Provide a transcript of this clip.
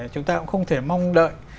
chúng ta cũng không thể mong đợi